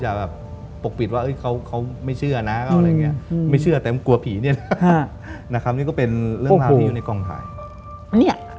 นี่ก็เป็นเรื่องราวที่อยู่ในกล่องถ่าย